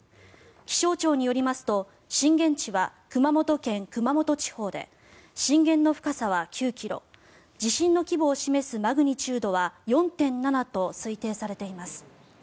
気象庁によりますと震源地は熊本県熊本地方で震源の深さは９ｋｍ地震の規模を示すマグニチュードは４．７と推定されています。